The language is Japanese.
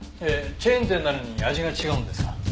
えっチェーン店なのに味が違うんですか？